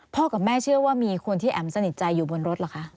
กับแม่เชื่อว่ามีคนที่แอ๋มสนิทใจอยู่บนรถเหรอคะ